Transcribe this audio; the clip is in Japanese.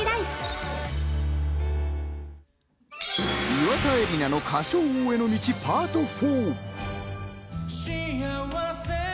岩田絵里奈の『歌唱王』への道、パート４。